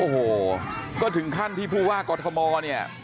โอ้โหก็ถึงขั้นที่ผู้ว่ากอทมเนี่ย